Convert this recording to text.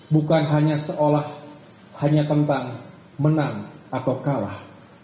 bukan hanya seolah hanya tentang menang atau kalah